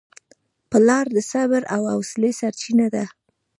پلار د صبر او حوصلې سرچینه ده.